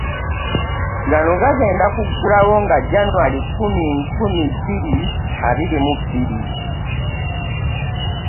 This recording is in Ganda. Gano gagenda kuggulawo nga Jjanwali kkumi nkumi bbiri abiri mu bbiri.